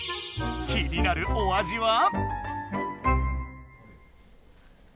気になるお味は？